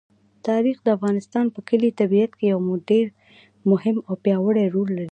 تاریخ د افغانستان په ښکلي طبیعت کې یو ډېر مهم او پیاوړی رول لري.